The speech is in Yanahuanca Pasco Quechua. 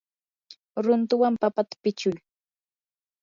runtuwan papata pichuy.